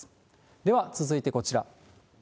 では続いてこちら。